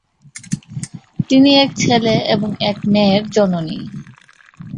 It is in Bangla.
তিনি এক ছেলে এবং এক মেয়ের জননী।